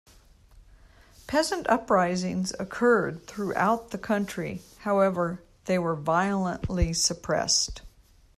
Peasant uprisings occurred throughout the country; however, they were violently suppressed.